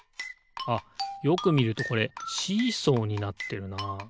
あっよくみるとこれシーソーになってるな。